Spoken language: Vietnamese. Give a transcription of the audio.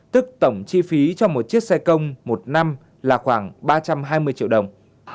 tức tổng chi phí cho một chiếc xe công một năm là khoảng ba trăm hai mươi triệu đồng